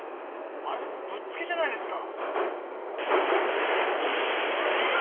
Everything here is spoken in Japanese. まるでぶっつけじゃないですか！